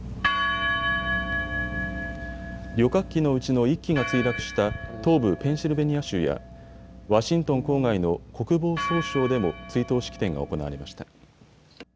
旅客機のうちの１機が墜落した東部ペンシルベニア州やワシントン郊外の国防総省でも追悼式典が行われました。